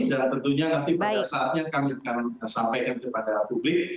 dan tentunya nanti pada saatnya kami akan sampaikan kepada publik